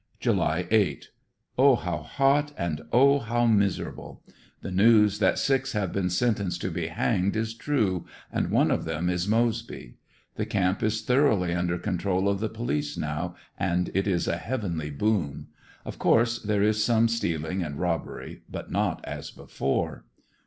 July 8. — Oh, how hot, and oh, how miserable. The news that six have been sentenced to be hanged is true, and one of them is Moseby. The camp is thoroughly under control of the police now, and it is a heavenly boon. Of course there is some stealing and robbery, but not as before.